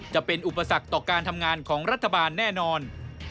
จะเป็นอุปสรรคต่อการทำงานของรัฐบาลแน่นอน